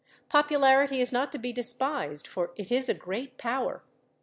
Popularity is not to be despised, for it is a great power.